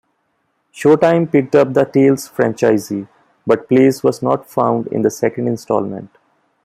Showtime picked up the "Tales" franchise, but Place was not in the second installment.